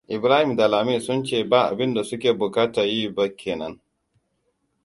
Ibrahim da Lami sun ce ba abin da suke bukatar yi ba ke nan.